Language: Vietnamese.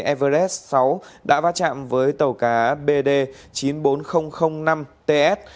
everes sáu đã va chạm với tàu cá bd chín mươi bốn nghìn năm ts